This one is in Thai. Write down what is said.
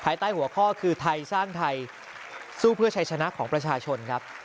ใต้หัวข้อคือไทยสร้างไทยสู้เพื่อชัยชนะของประชาชนครับ